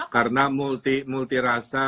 karena multi rasa